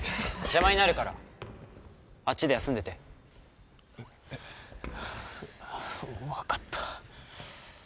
邪魔になるからあっちで休んでて。わわかった。